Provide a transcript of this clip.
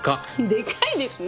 でかいですね。